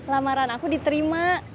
lamaran aku diterima